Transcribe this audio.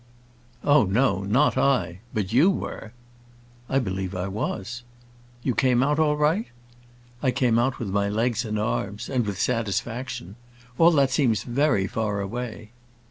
"Oh no, not I! But you were." "I believe I was." "You came out all right?" "I came out with my legs and arms—and with satisfaction. All that seems very far away."